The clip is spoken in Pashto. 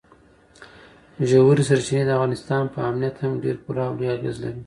ژورې سرچینې د افغانستان په امنیت هم ډېر پوره او لوی اغېز لري.